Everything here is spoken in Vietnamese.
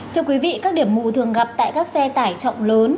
thưa quý vị các điểm mù thường gặp tại các xe tải trọng lớn